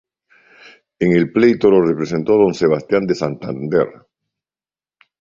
En el pleito lo representó don Sebastián de Santander.